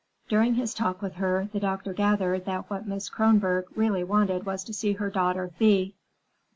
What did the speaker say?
During his talk with her, the doctor gathered that what Mrs. Kronborg really wanted was to see her daughter Thea.